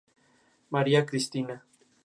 María Cristina.